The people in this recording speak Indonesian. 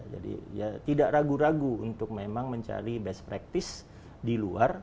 jadi tidak ragu ragu untuk memang mencari best practice di luar